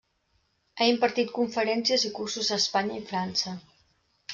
Ha impartit conferències i cursos a Espanya i França.